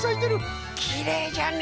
きれいじゃね！